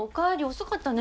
遅かったね。